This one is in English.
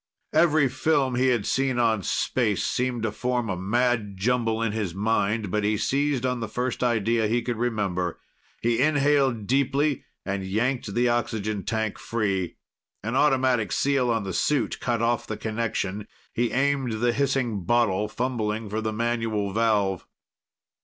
Every film he had seen on space seemed to form a mad jumble in his mind, but he seized on the first idea he could remember. He inhaled deeply and yanked the oxygen tank free. An automatic seal on the suit cut off the connection. He aimed the hissing bottle, fumbling for the manual valve.